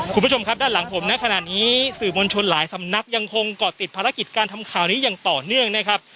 คุณผู้ชมครับด้านหลังผมนะขณะนี้สื่อมวลชนหลายสำนักยังคงเกาะติดภารกิจการทำข่าวนี้อย่างต่อเนื่องนะครับ